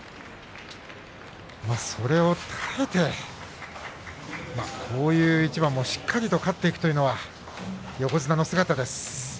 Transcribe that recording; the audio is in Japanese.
それを耐えてこういう一番もしっかり勝っていくというのが横綱の姿です。